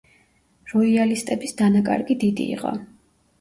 როიალისტების დანაკარგი დიდი იყო.